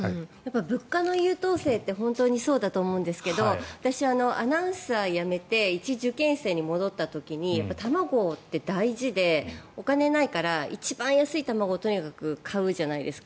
物価の優等生って本当にそうだと思うんですけど私、アナウンサーを辞めていち受験生に戻った時に卵って大事でお金ないから一番安い卵をとにかく買うじゃないですか。